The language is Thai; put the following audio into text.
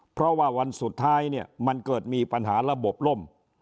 เพราะว่าวันสุดท้ายเนี่ยมันเกิดมีปัญหาระบบล่ม